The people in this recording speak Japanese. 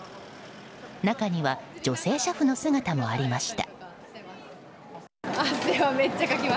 中には女性車夫の姿もありました。